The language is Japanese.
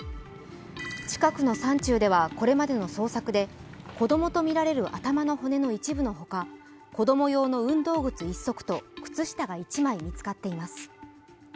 近くの山中ではこれまでの捜索で子供とみられる頭の骨の一部のほか子供用の運動靴１足と靴下が１枚見つかっています。